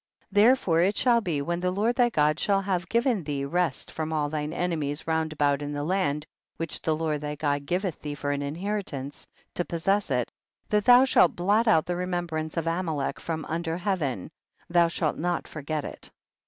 60. Therefore it shall be when the Lord thy God shall have given thee rest from all thine enemies round about in the land which the Lord thy God giveth thee for an inheritance, to possess it, that thou shalt blot out the remembrance of Amalek from un der heaven, thou shalt not forget it.